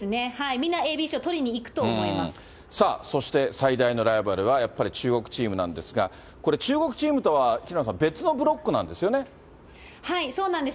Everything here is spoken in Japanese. みんなＡＢＣを取りに行くと思いそして、最大のライバルはやっぱり中国チームなんですが、これ、中国チームとは、平野さん、そうなんです。